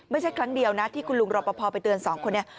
ไม่ใช่ครั้งเดียวนะที่คุณลุงรอปภไปเตือนสองคนนี้